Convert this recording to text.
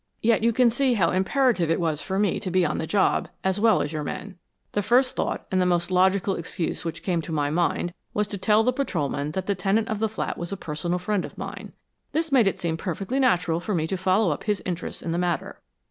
Yet, you can see how imperative it was for me to be on the job as well as your men. The first thought, and the most logical excuse, which came to my mind, was to tell the patrolman that the tenant of the flat was a personal friend of mine. This made it seem perfectly natural for me to follow up his interests in the matter.